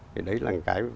thế đấy là một cái